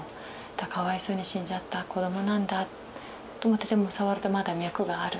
かわいそうに死んじゃった子どもなんだと思ってでも触るとまだ脈がある。